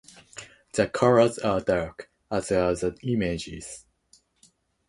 The colors are dark, as are the images.